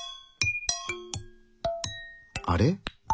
あれ？